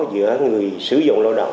giữa người sử dụng lao động